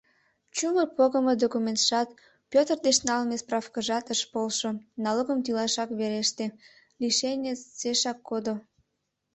Чумыр погымо документшат, Пӧтыр деч налме справкыжат ыш полшо, налогым тӱлашак вереште, лишенецешак кодо.